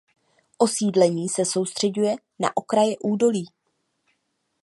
Osídlení se soustřeďuje na okraje údolí.